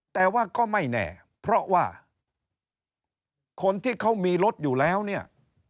แต่ว่าก็ไม่แน่เพราะว่าคนที่เขามีรถอยู่แล้วเนี่ย